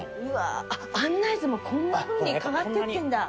あっ案内図もこんなふうに変わってってんだ。